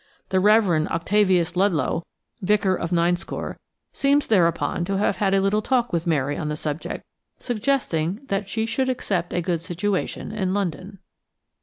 The Reverend Octavius Ludlow, Vicar of Ninescore, seems thereupon to have had a little talk with Mary on the subject, suggesting that she should accept a good situation in London.